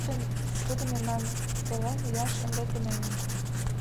Тудо мемнан пелен лияш ынде тунемын.